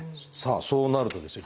そうなるとですよ